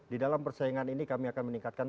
di dalam persaingan ini kami akan meningkatkan